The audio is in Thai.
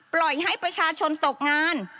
ปล่อยให้ประชาชนตกงาน